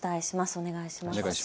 お願いします。